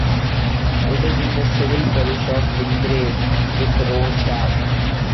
It is in the civil parish of Wingrave with Rowsham.